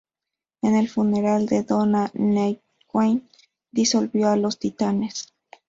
En el funeral de Donna, Nightwing disolvió a los Titanes.